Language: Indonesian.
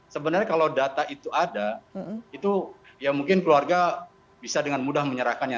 sebenarnya kalau data itu ada itu ya mungkin keluarga bisa dengan mudah menyerahkannya